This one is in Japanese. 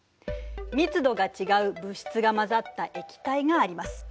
密度が違う物質が混ざった液体があります。